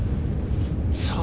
さあ